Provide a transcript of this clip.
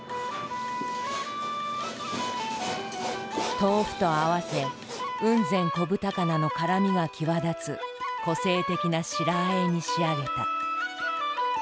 豆腐と合わせ雲仙こぶ高菜の辛みが際立つ個性的な白和えに仕上げた。